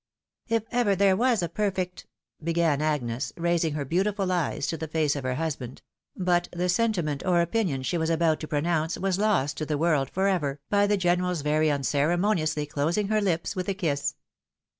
"K ever there was a perfect —" began Agnes, raising her beautiful eyes to the face of her husband — ^but the sentiment or opinion she was about to pronounce was lost to the world for ever, by the general's very uncerranoniously closing her hps with a kiss.